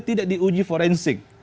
tidak diuji forensik